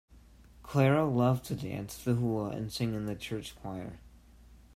Clara loved to dance the hula and sing in the church choir.